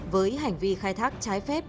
với hành vi khai thác trái phép